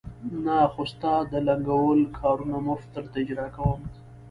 نه، خو ستا د لنګول کارونه مفت درته اجرا کوم.